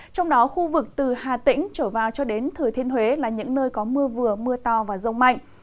trong đó khu vực từ hà tĩnh trở vào cho đến thừa thiên huế là những nơi có mưa vừa mưa to và rông mạnh